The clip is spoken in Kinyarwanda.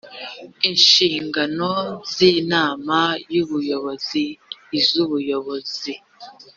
inshingano z inama y ubuyobozi iz ubuyobozi